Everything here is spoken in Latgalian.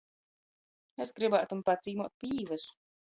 Es grybātum pacīmuot pi Īvys.